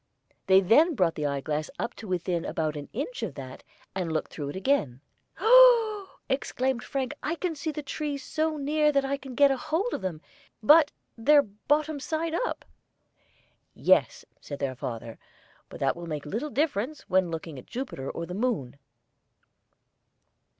They then brought the eyeglass up to within about an inch of that, and looked through it again. "Oh oh oo!" exclaimed Frank: "I see the trees so near that I can get hold of them, but they're bottom side up!" "Yes," said their father, "but that will make little difference when looking at Jupiter or the moon."